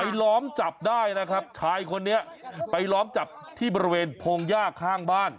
ล้อมจับได้นะครับชายคนนี้ไปล้อมจับที่บริเวณพงหญ้าข้างบ้าน